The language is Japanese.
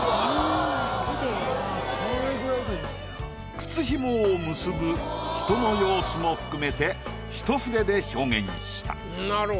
靴紐を結ぶ人の様子も含めて一筆で表現した。